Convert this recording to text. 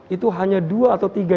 itu hanya dua atau tiga